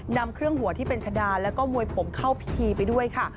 นำเครื่องหัวที่เป็นชะดาแล้วก็มวยผมเข้าพิธีไปด้วยค่ะ